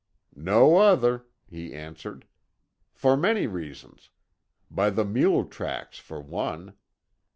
"No other," he answered. "For many reasons. By the mule tracks, for one.